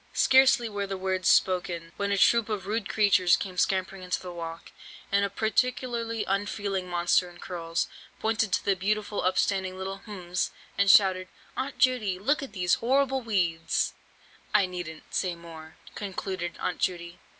"Scarcely were the words spoken, when a troop of rude creatures came scampering into the walk, and a particularly unfeeling monster in curls, pointed to the beautiful up standing little—hms—and shouted, 'Aunt Judy, look at these horrible weeds!' "I needn't say any more," concluded Aunt Judy.